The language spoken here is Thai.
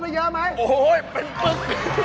เกิดอะไรขึ้น